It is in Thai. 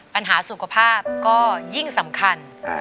ปัญหาสุขภาพก็ยิ่งสำคัญ